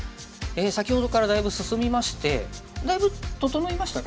先ほどからだいぶ進みましてだいぶ整いましたか